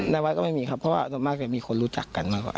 ในวัดก็ไม่มีครับเพราะว่าส่วนมากจะมีคนรู้จักกันมากกว่า